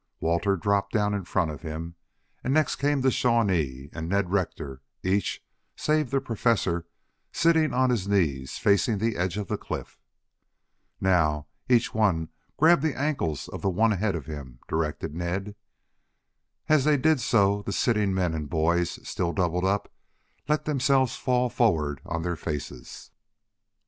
Walter dropped down in front of him, and next came the Shawnee and Ned Rector, each, save the Professor, sitting on his knees, facing the edge of the cliff. "Now each one grab the ankles of the one ahead of him," directed Ned. As they did so, the sitting men and boys, still doubled up, let themselves fall forward on their faces.